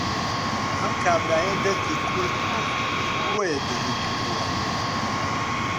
ئەم کابرایە دەستی کورت بووە بۆیە دزی کردووە